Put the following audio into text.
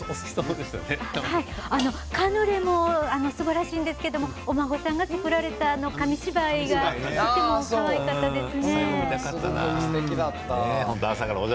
カヌレって溝があるカヌレもすばらしいんですけどお孫さんが作られた紙芝居がとてもかわいかったですね。